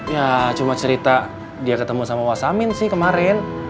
ya cuma cerita dia ketemu sama wa samin sih kemaren